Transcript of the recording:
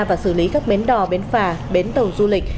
và xử lý các bến đò bến phà bến tàu du lịch